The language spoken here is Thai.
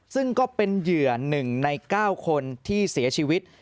ซึ่งก็เป็นเหยื่อหนึ่งในเก้าคนที่เสียชีวิต